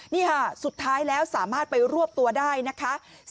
นี่ค่ะสุดท้ายแล้วสามารถไปรวบตัวได้นะคะ